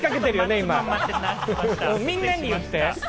今、みんなに振って。